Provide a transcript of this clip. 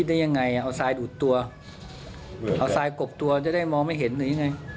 ได้ยังไงเอาทรายดูดตัวเอาทรายกบตัวจะได้มองไม่เห็นหรือยังไง